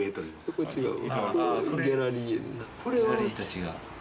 これ違う。